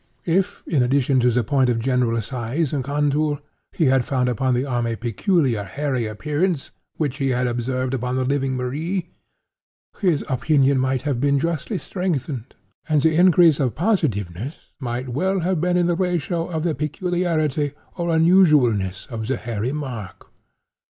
If, in addition to the point of general size and contour, he had found upon the arm a peculiar hairy appearance which he had observed upon the living Marie, his opinion might have been justly strengthened; and the increase of positiveness might well have been in the ratio of the peculiarity, or unusualness, of the hairy mark.